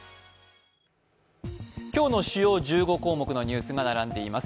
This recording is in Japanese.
今日の主要１５項目のニュースが並んでいます。